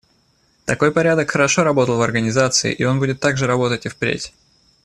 Такой порядок хорошо работал в Организации, и он будет так же работать и впредь.